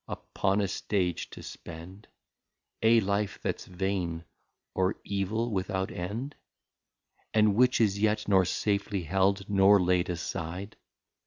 upon a Stage to spend A Life that's vain, or Evil without End? And which is yet nor safely held, nor laid aside?